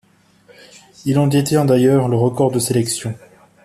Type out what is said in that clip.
Il en détient d'ailleurs le record de sélections.